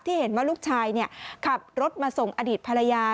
เห็นว่าลูกชายขับรถมาส่งอดีตภรรยา